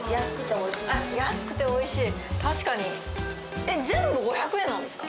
おいしいです安くておいしい確かにえっ全部５００円なんですか？